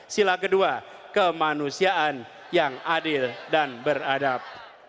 sila kedua kemanusiaan yang adil dan beradab